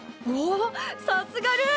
さすがルー！